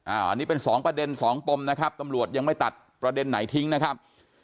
อันนี้เป็นสองประเด็นสองปมนะครับตำรวจยังไม่ตัดประเด็นไหนทิ้งนะครับ